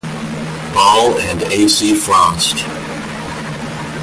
Ball and A. C. Frost.